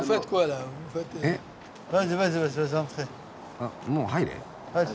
あっもう入れ？